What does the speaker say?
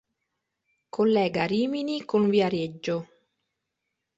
Collega Rimini con Viareggio.